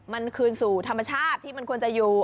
มันคืนสู่ธรรมชาติที่มันควรจะอยู่